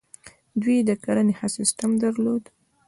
دوی د کرنې ښه سیستم درلود